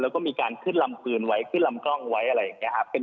แล้วก็มีการขึ้นลำพื้นไว้ขึ้นลำกล้องไว้อะไรอย่างนี้ครับ